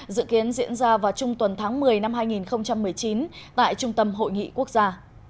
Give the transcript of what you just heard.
dự kiến diễn ra vào trung tuần tháng một mươi năm hai nghìn một mươi chín tại trung tâm hội nghị quốc gia